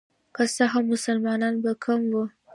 که څه هم مسلمانان به کم وو.